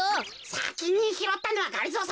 さきにひろったのはがりぞー